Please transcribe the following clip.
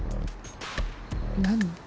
何の？